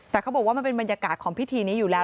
แต่เขาบอกว่ามันเป็นบรรยากาศของพิธีนี้อยู่แล้ว